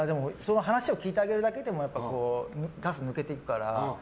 話を聞いてあげるだけでもガスは抜けていくから。